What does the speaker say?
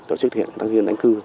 tổ chức thực hiện tái định cư